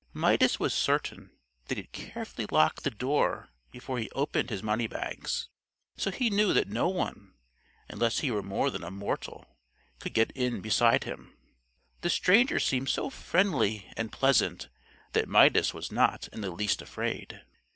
Midas was certain that he had carefully locked the door before he opened his money bags, so he knew that no one, unless he were more than a mortal, could get in beside him. The stranger seemed so friendly and pleasant that Midas was not in the least afraid.